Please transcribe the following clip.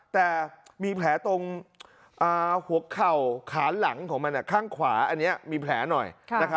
แต่มีแผลตรงหัวเข่าขาหลังของมันข้างขวาอันนี้มีแผลหน่อย